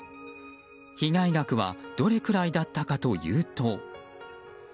被害額はどれくらいだったかというと。